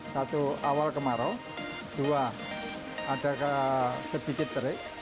satu awal kemarau dua ada sedikit terik